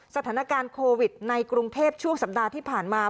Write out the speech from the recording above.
สถานการณ์โควิดในกรุงเทพช่วงสัปดาห์ที่ผ่านมา